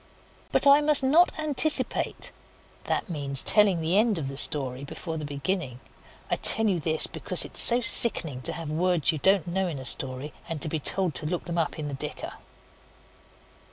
But I must not anticipate (that means telling the end of the story before the beginning. I tell you this because it is so sickening to have words you don't know in a story, and to be told to look it up in the dicker).